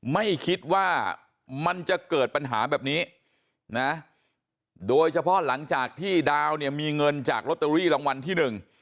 ไม่คิดว่ามันจะเกิดปัญหาแบบนี้นะโดยเฉพาะหลังจากที่ดาวเนี่ยมีเงินจากลอตเตอรี่รางวัลที่หนึ่ง